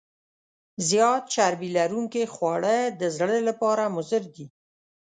زیات چربي لرونکي خواړه د زړه لپاره مضر دي.